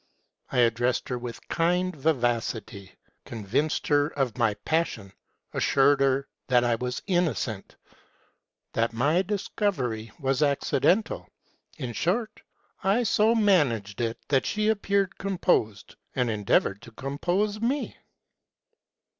I addressed her with kind vivacity, convinced her of my passion, assured her that I was innocent, that my discovery was accidental, ŌĆö in short, I so managed it that she appeared composed, and endeavored to compose me.